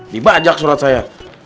dibajak surat saya